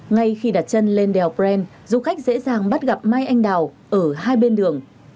ngay khi đặt chân lên đèo bren du khách dễ dàng bắt gặp mai anh đào ở hai bên đường